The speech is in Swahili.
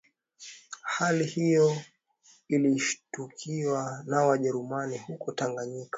Hali hiyo ilishtukiwa na Wajerumani huko Tanganyika